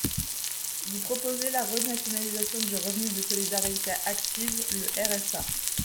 Vous proposez la renationalisation du revenu de solidarité active, le RSA.